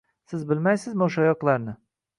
Siz bilmaysizmi o‘sha yoqlarni?”